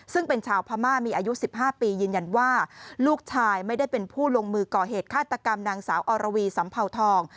ซึ่งเป็นชาวพม่ามีอายุ๑๕ปียืนยันว่าลูกชายไม่ได้เป็นผู้ลงมือก่อเหตุฆาตกรรมนางสาวอรวีสัมเภาทอง